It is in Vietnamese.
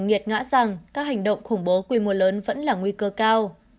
nghiệt ngã rằng các hành động khủng bố quy mô lớn vẫn là nguy cơ cao